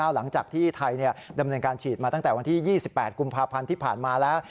หลังจากที่ไทยดำเนินการฉีดมาตั้งแต่วันที่๒๘กุมภาพันธ์ที่ผ่านมาแล้ว